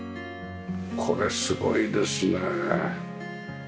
これすごいですね。